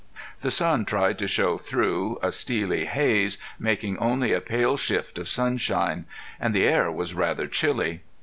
The sun tried to show through a steely haze, making only a pale shift of sunshine. And the air was rather chilly.